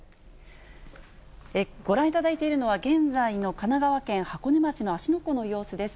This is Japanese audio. ご覧いただいているのは、現在の神奈川県箱根町の芦ノ湖の様子です。